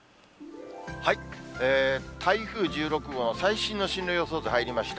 台風１６号の最新の進路予想図入りました。